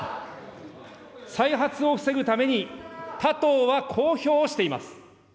再発を防ぐために、他党は公表しています。